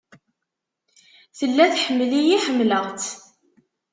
Tella tḥemmel-iyi ḥemmleɣ-tt.